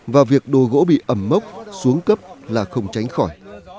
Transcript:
và việc đồ gỗ bị ẩm mốc xuống cấp là không tránh khỏi